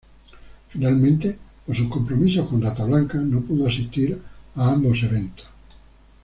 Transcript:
Finalmente por sus compromisos con Rata Blanca no pudo asistir a ambos eventos.